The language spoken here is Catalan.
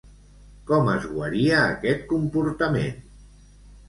Com es guaria aquest comportament?